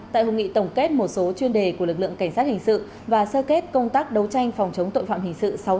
tại hội nghị tổng kết một số chuyên đề của lực lượng cảnh sát hình sự và sơ kết công tác đấu tranh phòng chống tội phạm hình sự